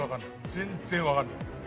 全然わかんない。